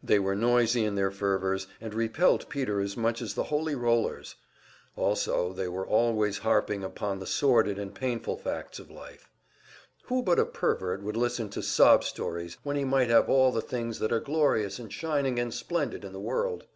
They were noisy in their fervors, and repelled Peter as much as the Holy Rollers. Also, they were always harping upon the sordid and painful facts of life; who but a pervert would listen to "sob stories," when he might have all the things that are glorious and shining and splendid in the world?